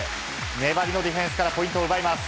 粘りのディフェンスからポイントを奪います。